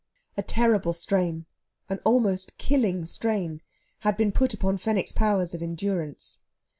A terrible strain an almost killing strain had been put upon Fenwick's powers of endurance.